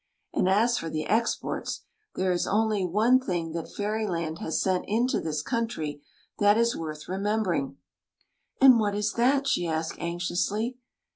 And as for the exports, there is only one thing that Fairyland has sent into this country that is worth remembering." THE LADY DAFFODILIA 159 " And what is that ?" she asked anxiously.